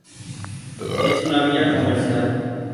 Es una villa comercial.